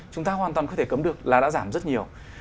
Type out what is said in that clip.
chúng ta hoàn toàn có thể cấm được là đã giảm rất nhiều